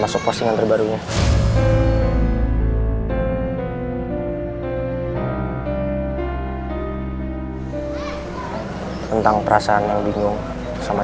langsung mau postingan ya termasuk postingan terbarunya tentang perasaan yang bingung sama